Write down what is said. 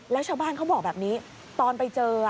แล้วชาวบ้านเขาบอกแบบนี้ตอนไปเจอ